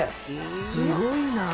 すごいなあ！